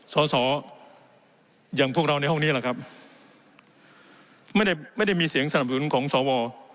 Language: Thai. สอสออย่างพวกเราในห้องนี้แหละครับไม่ได้ไม่ได้มีเสียงสนับสนุนของสว